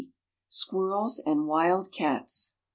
] SQUIRRELS AND WILD CATS.